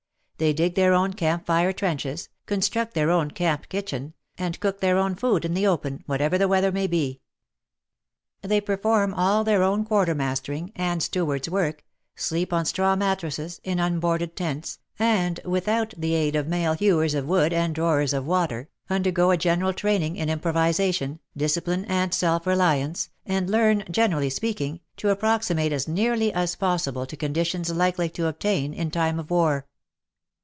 They dig their own camp fire trenches, construct their own camp kitchen, and cook their own food in the open, whatever the weather may be. They perform all their own quartermastering and stewards' work, sleep on straw mattresses, in unboarded tents, and, without the aid of male hewers of wood and drawers of water, undergo a general training in improvization, discipline and self reliance, and learn, generally speaking, to approximate as nearly as possible to con ditions likely to obtain in time of war.